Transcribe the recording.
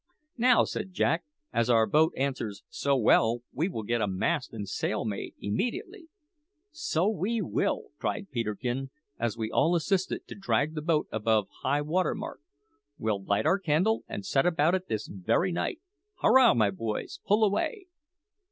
"Now," said Jack, "as our boat answers so well we will get a mast and sail made immediately." "So we will!" cried Peterkin as we all assisted to drag the boat above high water mark. "We'll light our candle and set about it this very night. Hurrah, my boys, pull away!"